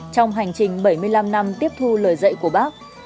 trong hành trình bảy mươi năm năm tiếp thu lời dạy của bác